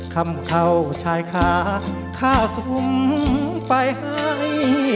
คำเข้าชายขาข้าวถุงไปให้